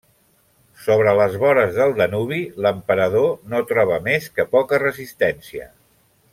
Sobre les vores del Danubi, l'emperador no troba més que poca resistència.